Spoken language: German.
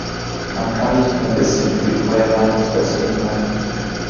Man kann nicht ein bisschen für die freie Meinungsäußerung sein.